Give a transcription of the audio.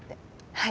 はい！